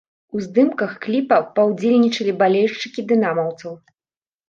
У здымках кліпа паўдзельнічалі балельшчыкі дынамаўцаў.